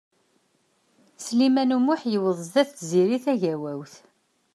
Sliman U Muḥ yewweḍ-d zdat n Tiziri Tagawawt.